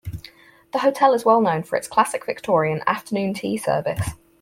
The hotel is well known for its classic Victorian afternoon tea service.